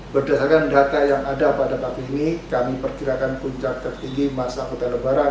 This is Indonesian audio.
berdasarkan data yang ada pada pagi ini kami perkirakan puncak tertinggi masa kota lebaran